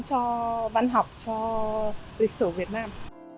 cho văn học cho lịch sử việt nam